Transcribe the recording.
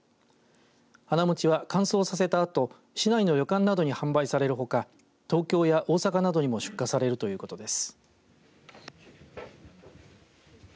花もちは、乾燥させたあと市内の旅館などに販売されるほか東京や大阪などにも出荷されるということです。